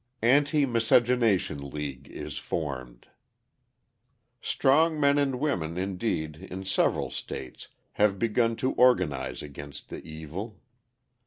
Anti Miscegenation League is Formed Strong men and women, indeed, in several states have begun to organise against the evil.